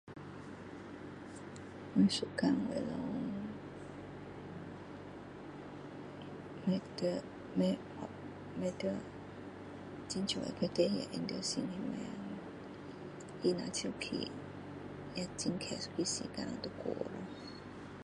我喜歡我老公不在不在很少會把事情放在心裡面他若生氣也很快一個時間就過去了